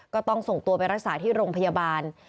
ก็ต้องส่งตัวไปรักษาที่โรงพยาบาล